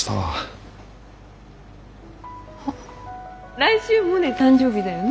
来週モネ誕生日だよね？